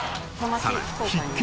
さらに必見！